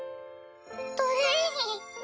トレイニー。